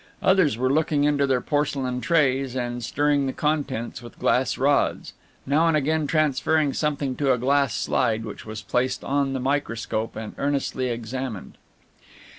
Others were looking into their porcelain trays and stirring the contents with glass rods, now and again transferring something to a glass slide which was placed on the microscope and earnestly examined.